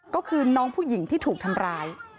ก็คือน้องผู้หญิงที่ถูกทำร้าย